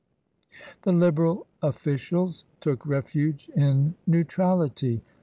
The Liberal officials took refuge in neutrality.